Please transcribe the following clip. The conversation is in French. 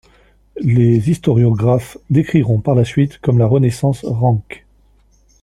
Les historiographes décriront par la suite comme la renaissance Ranke.